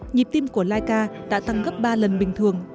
nhịp tim của laika đã tăng gấp ba lần bình thường